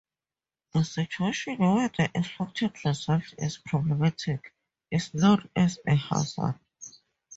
A situation where the expected result is problematic is known as a hazard.